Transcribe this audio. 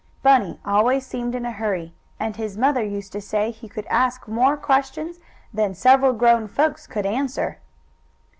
Bunny always seemed in a hurry, and his mother used to say he could ask more questions than several grown folks could answer.